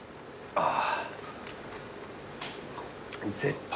ああ。